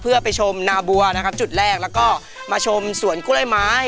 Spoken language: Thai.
เพื่อไปชมนาบัวนะครับจุดแรกแล้วก็มาชมสวนกล้วยไม้